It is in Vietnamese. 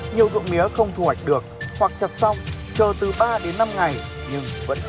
nhiều dụng mía không thu hoạch được hoặc chặt xong chờ từ ba đến năm ngày